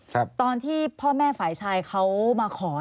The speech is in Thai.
ตอนที่พ่อแม่ฝ่ายชายเขามาขอ